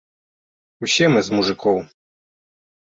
Усе мы з мужыкоў.